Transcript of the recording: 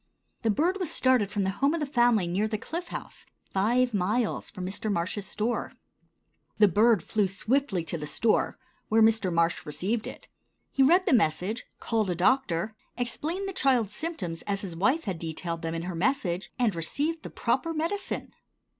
The bird was started from the home of the family near the Cliff House, five miles from Mr. Marsh's store. The bird flew swiftly to the store, where Mr. Marsh received it. He read the message, called a doctor, explained the child's symptoms as his wife had detailed them in her message, and received the proper medicine.